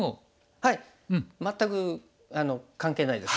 はい全く関係ないです